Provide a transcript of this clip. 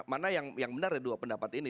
mana yang benar dari dua pendapat ini